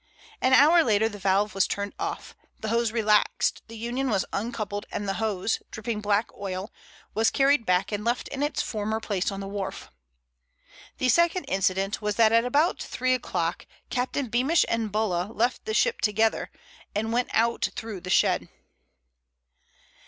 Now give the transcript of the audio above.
An hour later the valve was turned off, the hose relaxed, the union was uncoupled and the hose, dripping black oil, was carried back and left in its former place on the wharf. The second incident was that about three o'clock Captain Beamish and Bulla left the ship together and went out through the shed.